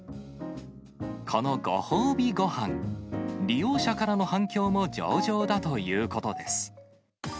このご褒美ごはん、利用者からの反響も上々だということです。